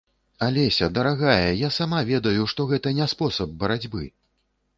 Алеся, дарагая, я сама ведаю, што гэта не спосаб барацьбы!